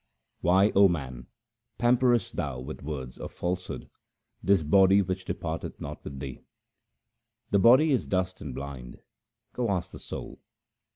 HYMNS OF GURU AMAR DAS 203 Why, 0 man, pamperest thou with words of falsehood this body which departeth not with thee ? The body is dust and blind ; go ask the soul.